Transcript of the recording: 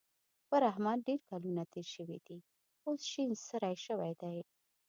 پر احمد ډېر کلونه تېر شوي دي؛ اوس شين سری شوی دی.